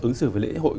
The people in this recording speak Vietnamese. ứng xử với lễ hội